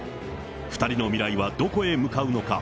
２人の未来はどこへ向かうのか。